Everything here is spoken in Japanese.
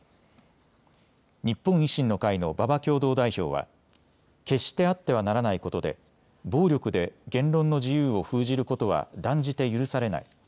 日本維新の会の馬場共同代表は決してあってはならないことで暴力で言論の自由を封じることは断じて許されない。